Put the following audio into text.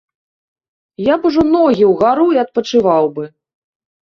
Я б ужо ногі ўгару і адпачываў бы.